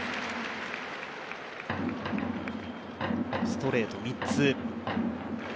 ストレート３つ。